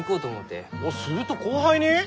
すると後輩に？